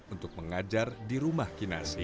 untuk mengajar di rumah kinasi